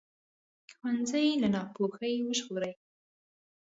ښوونځی له ناپوهۍ وژغوري